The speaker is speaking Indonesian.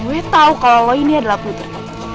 gue tahu kalau lo ini adalah putri